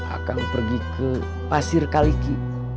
akan pergi ke pasir kaliki